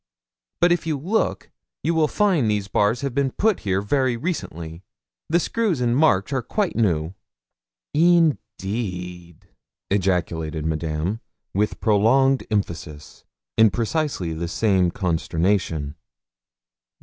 'But if you look you will find these bars have been put here very recently: the screws and marks are quite new.' 'Eendeed!' ejaculated Madame, with prolonged emphasis, in precisely the same consternation.